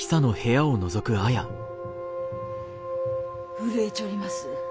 震えちょります。